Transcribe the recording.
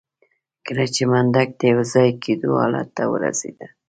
کله چې منډک د يوځای کېدو حالت ته ورسېده.